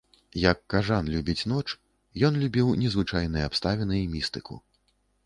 Як кажан любіць ноч, ён любіў незвычайныя абставіны і містыку.